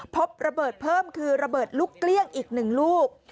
พบระเบิดเพิ่มคือระเบิดลูกเกลี้ยงอีก๑ลูก